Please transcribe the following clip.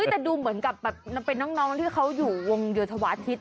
แต่ดูเหมือนกับมันเป็นน้องที่เขาอยู่วงเยืเทาะอธิศ